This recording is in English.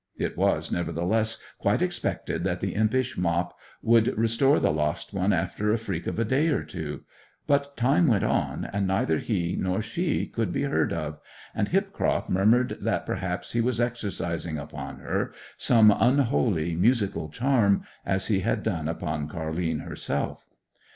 It was nevertheless quite expected that the impish Mop would restore the lost one after a freak of a day or two; but time went on, and neither he nor she could be heard of, and Hipcroft murmured that perhaps he was exercising upon her some unholy musical charm, as he had done upon Car'line herself.